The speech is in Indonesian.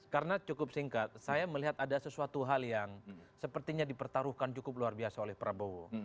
karena cukup singkat saya melihat ada sesuatu hal yang sepertinya dipertaruhkan cukup luar biasa oleh pak prabowo